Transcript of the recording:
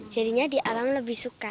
jadinya di alam lebih suka